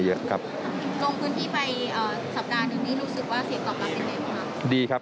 ลงพื้นที่ไปสัปดาห์ทุกนี้รู้สึกว่าเสียตอบรับอีกไหมครับ